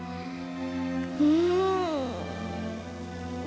うん。